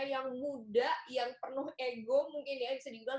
yang muda yang penuh ego mungkin ya bisa dibilang